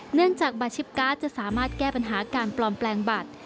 เนื่องจากบัตรชิปการ์ดจะสามารถแก้ปัญหาการปลอมแปลงบัตร